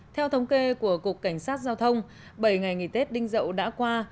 theo thống kê của cục cảnh sát giao thông bảy ngày nghỉ tết đinh dậu đã qua